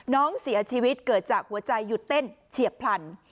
น้องเสียชีวิตเกิดจากหัวใจหยุดเต้นเฉียบพลัน